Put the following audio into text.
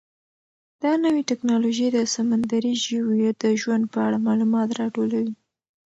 دا نوې ټیکنالوژي د سمندري ژویو د ژوند په اړه معلومات راټولوي.